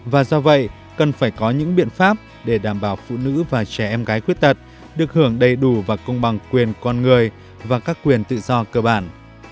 và do vậy cần phải có những biện pháp để đảm bảo phụ nữ và trẻ em gái khuyết tật được hưởng đầy đủ và công bằng quyền con người và các quyền tự do cơ bản